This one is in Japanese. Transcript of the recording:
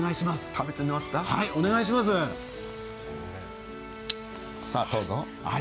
食べてみますか、どうぞ。